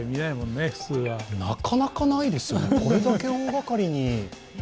なかなかないですよね、これだけ大がかりに。